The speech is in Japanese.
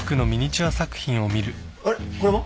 あれこれは？